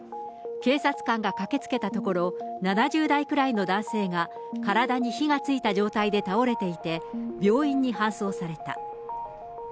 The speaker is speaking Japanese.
警察官が駆けつけたところ、７０代ぐらいの男性が、体に火がついた状態で倒れていて、病院に搬送された。